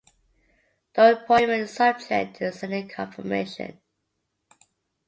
The appointment is subject to Senate confirmation.